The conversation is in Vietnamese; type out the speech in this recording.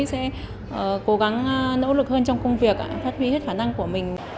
sẽ cố gắng nỗ lực hơn trong công việc phát huy hết khả năng của mình